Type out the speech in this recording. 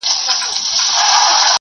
زه اوږده وخت ليکنې کوم.